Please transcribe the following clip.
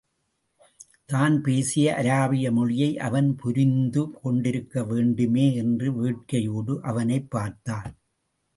தான் பேசிய அராபிய மொழியை அவன் புரிந்து கொண்டிருக்க வேண்டுமே என்ற வேட்கையோடு அவனைப் பார்த்தாள்.